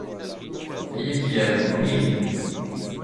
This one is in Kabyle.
Aya ad k-yerr deg umihi.